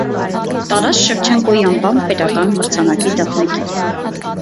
Տարաս Շևչենկոյի անվան պետական մրցանակի դափնեկիր։